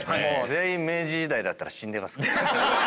全員明治時代だったら死んでますね。